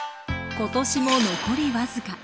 今年も残り僅か。